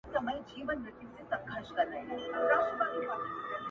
ما وتا بېل كړي سره~